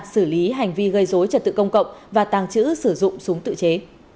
xử lý hành vi gây dối trật tự công cộng và tàng trữ sử dụng súng tự chế